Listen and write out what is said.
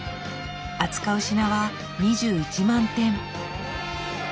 扱う品は２１万点。